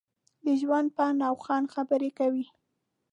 د ژوند، پند او خوند خبرې کوي.